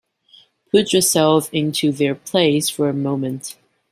Put yourself into their place for a moment.